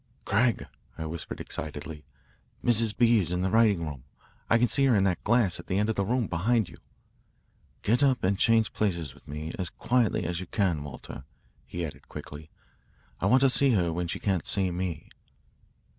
"Craig," I whispered excitedly, "Mrs. B. is in the writing room I can see her in that glass at the end of the room, behind you." "Get up and change places with me as quietly as you can, Walter," he said quickly. "I want to see her when she can't see me."